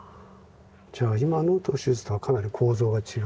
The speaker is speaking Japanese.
じゃあ今のトゥ・シューズとはかなり構造が違う？